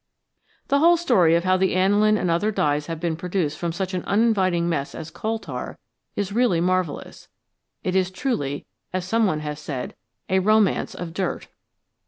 The whole story of how the aniline and other dyes have been produced from such an uninviting mess as coal tar is really marvellous ; it is truly, as some one has said, a " romance of dirt."